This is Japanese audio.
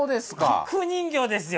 菊人形ですよ。